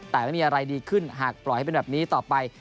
แต่ไม่มีอะไรดีขึ้นหากปล่อยให้เป็นแบบนี้ต่อไป